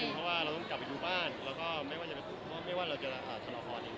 เพราะว่าเราต้องกลับไปดูบ้านแล้วก็ไม่ว่าเราจะทำละครด้วย